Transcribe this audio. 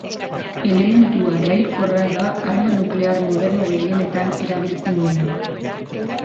Elementu arrailkorra da, arma nuklear moderno gehienetan erabiltzen dena.